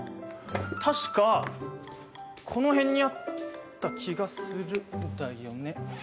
確かこの辺にあった気がするんだよね。